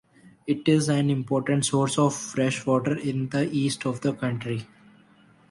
It is an important source of fresh water in the east of the country.